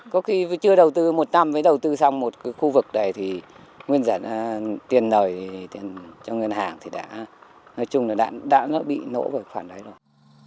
có khi chưa đầu tư một năm mới đầu tư sang một cái khu vực này thì nguyên dạng tiền nởi cho ngân hàng thì đã nói chung là đã bị nổ vào khoản đấy rồi